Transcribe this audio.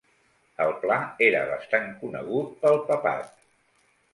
El pla era bastant conegut pel Papat.